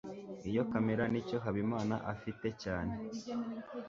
iyo kamera nicyo habimana afite cyane